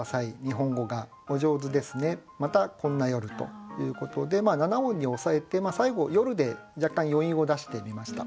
ということで７音に抑えて最後「夜」で若干余韻を出してみました。